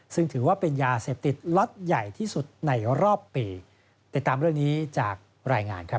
ซึ่งถือว่าเป็นยาเสพติดล็อตใหญ่ที่สุดในรอบปีติดตามเรื่องนี้จากรายงานครับ